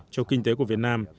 cho kinh tế của việt nam